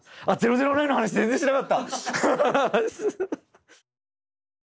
「００９」の話全然しなかった！